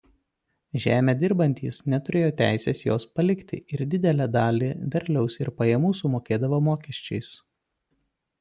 Žemę dirbantys neturėjo teisės jos palikti ir didelę dalį derliaus ir pajamų sumokėdavo mokesčiais.